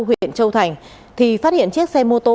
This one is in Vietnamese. huyện châu thành thì phát hiện chiếc xe mô tô